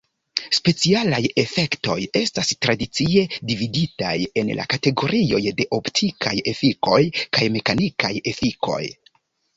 Specialaj efektoj estas tradicie dividitaj en la kategorioj de optikaj efikoj kaj mekanikaj efikoj.